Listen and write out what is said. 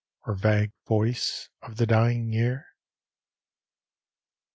Or vague voice of the dying Year?